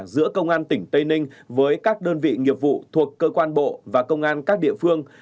giữa công an tỉnh tây ninh với các đơn vị nghiệp vụ thuộc cơ quan bộ và công an các địa phương